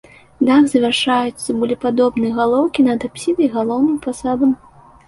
Дах завяршаюць цыбулепадобныя галоўкі над апсідай і галоўным фасадам.